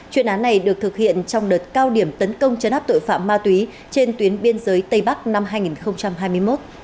chuyên án này được thực hiện trong đợt cao điểm tấn công chấn áp tội phạm ma túy trên tuyến biên giới tây bắc năm hai nghìn hai mươi một